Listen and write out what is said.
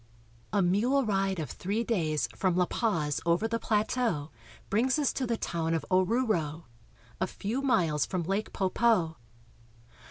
A mule ride of three days from La Paz over the plateau brings us to the town of Oruro (o roo'ro), a few miles from Lake Poopo.